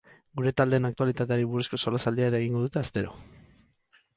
Gure taldeen aktualitateari buruzko solasaldia ere egingo dute astero.